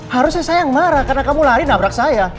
harusnya saya yang marah karena kamu lari nabrak saya